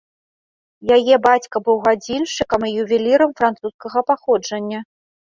Яе бацька быў гадзіншчыкам і ювелірам французскага паходжання.